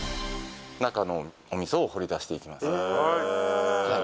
中のお味噌を掘り出していきます。